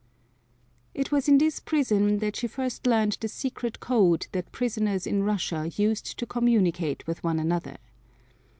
It was in this prison that she first learned the secret code that prisoners in Russia used to communicate with one another.